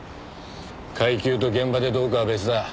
階級と現場でどうかは別だ。